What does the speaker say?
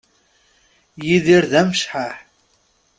Yidir d amecḥaḥ